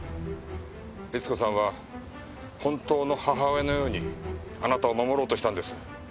律子さんは本当の母親のようにあなたを守ろうとしたんです。